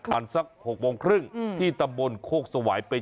ทางซัก๖๓๐ที่ตำบลโคกสวายไป